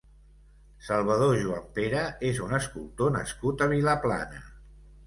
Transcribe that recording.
Salvador Juanpere és un escultor nascut a Vilaplana.